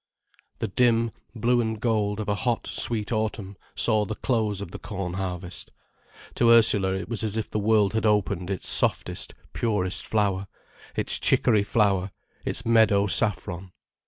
The dim blue and gold of a hot, sweet autumn saw the close of the corn harvest. To Ursula, it was as if the world had opened its softest purest flower, its chicory flower, its meadow saffron.